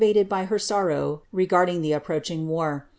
▼ated by her sorrow regarding the approaching war.'